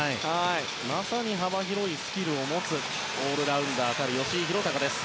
まさに幅広いスキルを持つオールラウンダーたる吉井裕鷹です。